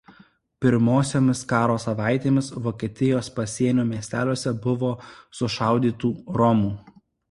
Pirmosiomis karo savaitėmis Vokietijos pasienio miesteliuose buvo sušaudytų romų.